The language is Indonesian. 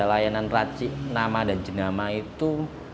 jasa layanan peracik nama dan jenama itu